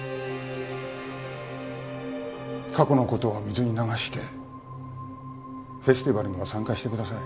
過去の事は水に流してフェスティバルには参加してください。